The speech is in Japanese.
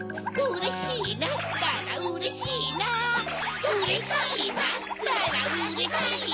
うれしいなったらうれしいな！かびかびかび！